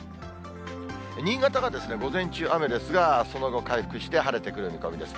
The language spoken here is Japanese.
新潟が午前中雨ですが、その後回復して晴れてくる見込みです。